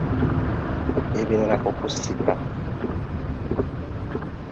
Ebirala ku kusika.